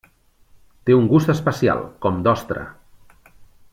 Té un gust especial, com d'ostra.